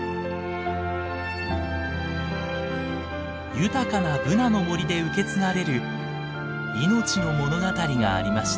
豊かなブナの森で受け継がれる命の物語がありました。